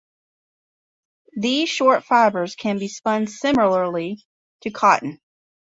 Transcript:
These short fibres can be spun similarly to cotton.